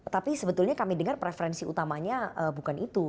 tapi sebetulnya kami dengar preferensi utamanya bukan itu